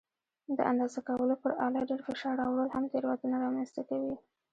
د اندازه کولو پر آله ډېر فشار راوړل هم تېروتنه رامنځته کوي.